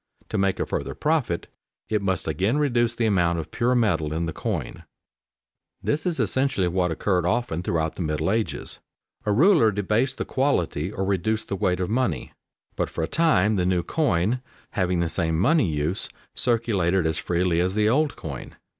To make a further profit it must again reduce the amount of pure metal in the coin. [Sidenote: Medieval examples of depreciation] This is essentially what occurred often throughout the Middle Ages. A ruler debased the quality or reduced the weight of money, but for a time the new coin, having the same money use, circulated as freely as the old coin.